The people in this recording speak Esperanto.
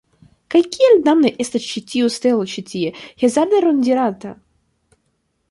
Kaj kial damne estas ĉi tiu stelo ĉi tie, hazarde rondiranta?